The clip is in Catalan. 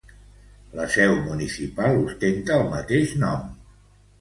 La seu municipal ostenta el mateix nom.